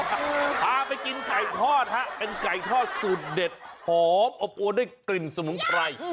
พาไปกินไก่ทอดฮะเป็นไก่ทอดสูตรเด็ดหอมอบอวนได้กลิ่นสมุนไพร